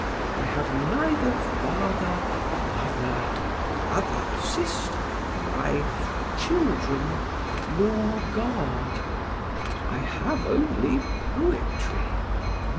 I have neither father, mother, brother, sister, wife, children, nor God. I have only poetry.